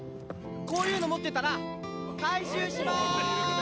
こういうの持ってたら回収しまーす！